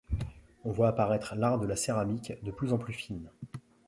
On voit apparaître l'art de la céramique, de plus en plus fine.